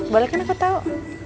balik kan aku tau